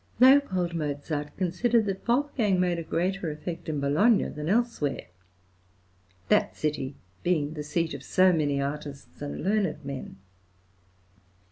L.. Mozart considered that Wolfgang made a greater effect in Bologna than elsewhere, that city being the seat of so many artists and learned men.